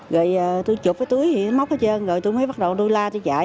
rồi tôi chụp cái túi móc hết trơn rồi tôi mới bắt đầu đu la chạy